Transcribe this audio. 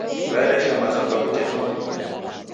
W'aeresha maza kwa viteto viw'i.